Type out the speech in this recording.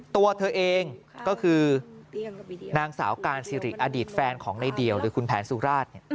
ตัวเธอเองก็คือนางสาวการสิริอดีตแฟนของในเดี่ยวหรือคุณแผนสุราช